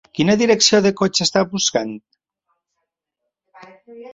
Quina direcció de cotxe està buscant?